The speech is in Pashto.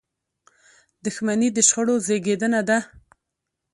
• دښمني د شخړو زیږنده ده.